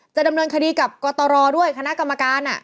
จะดำเนินคดีกับกตรด้วยคณะกรรมการ